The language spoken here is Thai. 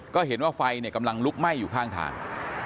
ก็เห็นว่าไฟกำลังลุกไหม้อยู่ข้างทาง